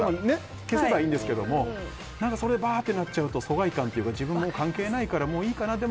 消せばいいんですけどもそれがバーってなっちゃうと疎外感というか自分は関係ないからもういいかなって。